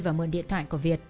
và mượn điện thoại của việt